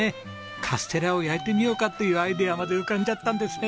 カステラを焼いてみようかっていうアイデアまで浮かんじゃったんですね。